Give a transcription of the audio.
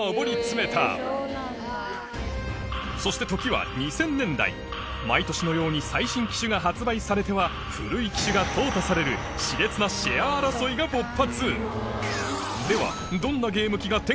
そして時は２０００年代毎年のように最新機種が発売されては古い機種が淘汰されるでは皆さん覚えているだろうか？